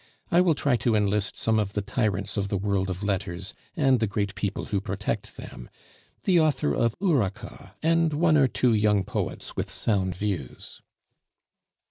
I will try to enlist some of the tyrants of the world of letters and the great people who protect them, the author of Ourika, and one or two young poets with sound views."